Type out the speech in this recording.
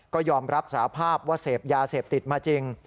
ก็ยอมรับสาภาพว่าเสพยาเสพติดมาจริง